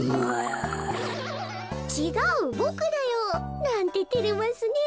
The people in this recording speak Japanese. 「ちがうボクだよ」なんててれますねえ。